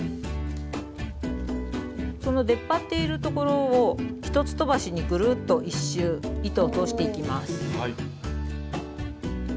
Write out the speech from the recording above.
その出っ張っているところを１つとばしにぐるっと１周糸を通していきます。